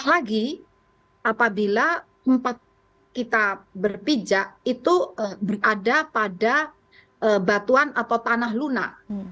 apalagi apabila empat kita berpijak itu berada pada batuan atau tanah lunak